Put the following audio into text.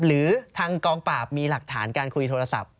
หรือทางกองปราบมีหลักฐานการคุยโทรศัพท์